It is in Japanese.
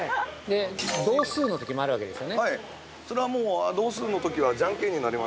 ◆同数のときもあるわけですよね。